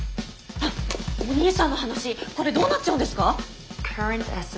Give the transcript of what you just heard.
あっお兄さんの話これどうなっちゃうんですか？